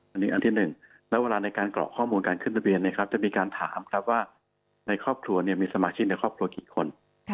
อันนี้อันที่๑แล้วเวลาในการกรอกข้อมูลการขึ้นทะเบียนจะมีการถามครับว่าในครอบครัวมีสมาชิกในครอบครัวกี่คน